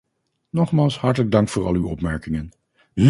Nogmaals hartelijk dank voor al uw opmerkingen.